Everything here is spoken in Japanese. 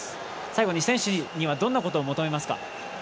最後に選手にはどんなことを求めますか。